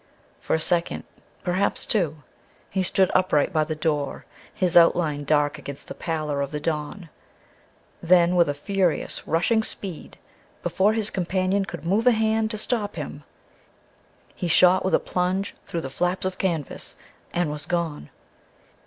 For a second, perhaps two, he stood upright by the door, his outline dark against the pallor of the dawn; then, with a furious, rushing speed, before his companion could move a hand to stop him, he shot with a plunge through the flaps of canvas and was gone.